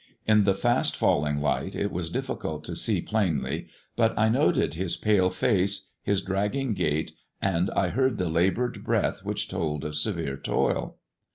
In the fast falling night it was difficult to see plainly, but I noted his pale face, his dragging gait, and I heard the laboured breath which told of severe toil.